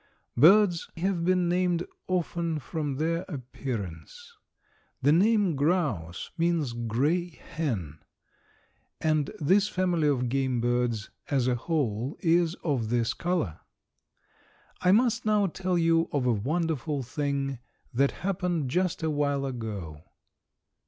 Birds have been named often from their appearance. The name grouse means gray hen, and this family of game birds as a whole is of this color. I must now tell you of a wonderful thing that happened just a while ago.